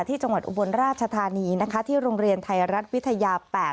ที่จังหวัดอุบลราชธานีที่โรงเรียนไทยรัฐวิทยาค่ะ